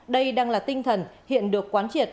đây đang là tinh thần hiện được quán triệt